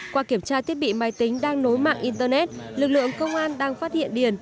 qua kiểm tra thiết bị máy tính đang nối mạng internet lực lượng công an đang phát hiện điền